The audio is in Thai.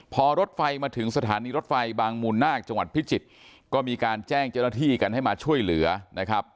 พอรถไฟมาถึงสถานีรถไฟบางมูลนาคจังหวัดพิจิตรก็มีการแจ้งเจ้าหน้าที่กันให้มาช่วยเหลือนะครับ